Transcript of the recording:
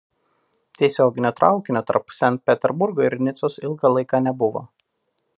Tiesioginio traukinio tarp Sankt Peterburgo ir Nicos ilgą laiką nebuvo.